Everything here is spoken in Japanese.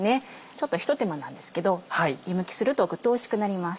ちょっとひと手間なんですけど湯むきするとグッとおいしくなります。